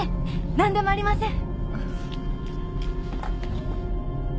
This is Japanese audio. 何でもありません。